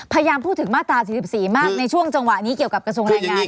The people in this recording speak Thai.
พยายามพูดถึงมาตรา๔๔มากในช่วงจังหวะนี้เกี่ยวกับกระทรวงแรงงาน